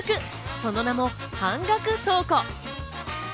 その名も「半額倉庫」。